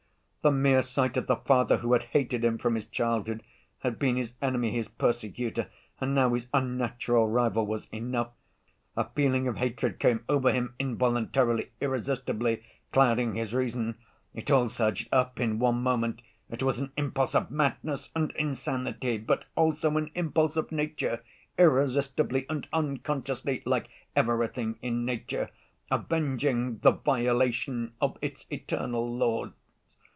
The mere sight of the father who had hated him from his childhood, had been his enemy, his persecutor, and now his unnatural rival, was enough! A feeling of hatred came over him involuntarily, irresistibly, clouding his reason. It all surged up in one moment! It was an impulse of madness and insanity, but also an impulse of nature, irresistibly and unconsciously (like everything in nature) avenging the violation of its eternal laws.